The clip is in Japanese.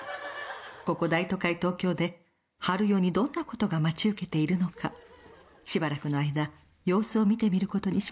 「ここ大都会東京で春代にどんな事が待ち受けているのかしばらくの間様子を見てみる事にしましょう」